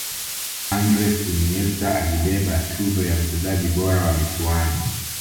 andres iniesta alibeba tuzo ya mchezaji bora wa michuano